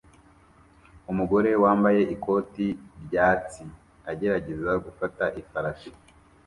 Umugore wambaye ikoti ryatsi agerageza gufata ifarashi